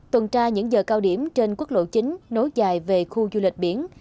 tuần tra những giờ cao điểm trên quốc lộ chín nối dài về khu du lịch biển